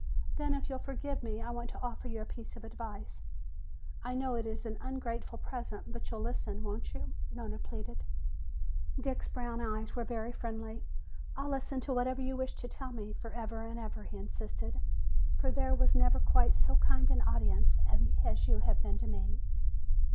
Then if you'll forgive me I want to offer you a piece of advice. I know it is an ungrateful present, but you'll listen, won't you?" Nona pleaded. Dick's brown eyes were very friendly. "I'll listen to whatever you wish to tell me forever and ever," he insisted. "For there was never quite so kind an audience as you have been to me!"